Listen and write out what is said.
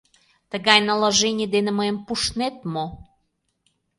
Тыгай наложений дене мыйым пуштнет мо?!